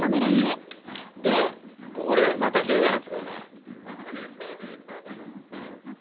でこれまた日向夏だよね。